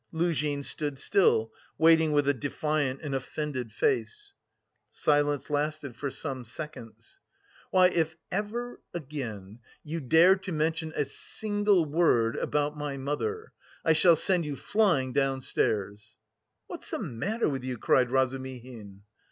Luzhin stood still, waiting with a defiant and offended face. Silence lasted for some seconds. "Why, if ever again... you dare to mention a single word... about my mother... I shall send you flying downstairs!" "What's the matter with you?" cried Razumihin.